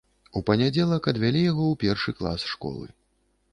У панядзелак адвялі яго ў першы клас школы.